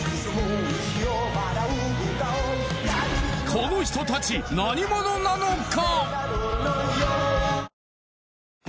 この人たち何者なのか？